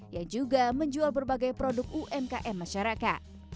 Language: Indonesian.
yang juga menjual berbagai produk umkm masyarakat